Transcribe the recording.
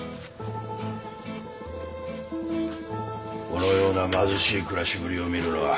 このような貧しい暮らしぶりを見るのは初めてか？